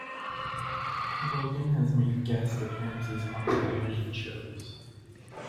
Logan has made guest appearances on television shows.